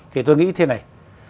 thì tôi nghĩ thế này